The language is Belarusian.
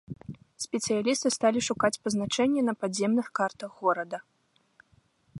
Спецыялісты сталі шукаць пазначэнне на падземных картах горада.